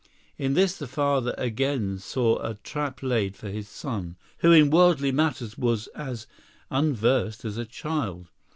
In this the father again saw a trap laid for his son, who in worldly matters was as unversed as a child.